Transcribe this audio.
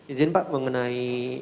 izin pak mengenai